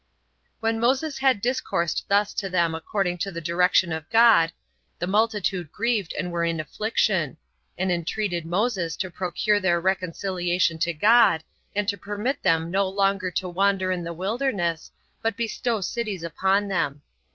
2. When Moses had discoursed thus to them according to the direction of God, the multitude grieved, and were in affliction; and entreated Most to procure their reconciliation to God, and to permit them no longer to wander in the wilderness, but bestow cities upon them.